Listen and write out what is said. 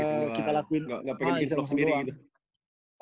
gak pengen bikin vlog sendiri gitu